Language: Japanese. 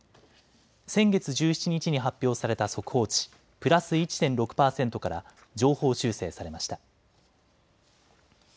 先月１７日に発表された速報値、プラス１．６％から上方修正されました。